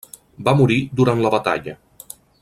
Va morir durant la batalla.